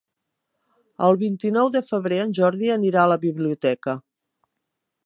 El vint-i-nou de febrer en Jordi anirà a la biblioteca.